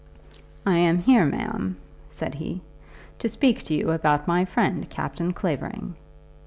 "I am here, ma'am," said he, "to speak to you about my friend, Captain Clavering."